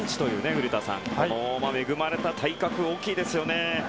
古田さん、恵まれた体格大きいですよね。